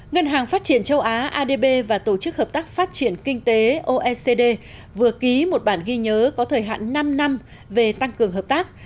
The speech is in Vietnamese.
ngân hàng phát triển châu á adb và tổ chức hợp tác phát triển kinh tế oecd vừa ký một bản ghi nhớ có thời hạn năm năm về tăng cường hợp tác